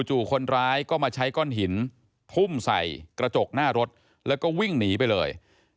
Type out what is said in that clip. จู่คนร้ายก็มาใช้ก้อนหินทุ่มใส่กระจกหน้ารถแล้วก็วิ่งหนีไปเลย